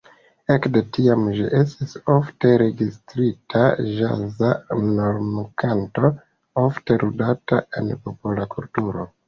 Ekde tiam ĝi estis ofte registrita ĵaza normkanto ofte ludata en popola kulturo.